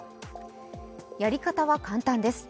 やり方は簡単です。